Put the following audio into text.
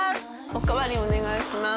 おかわりお願いします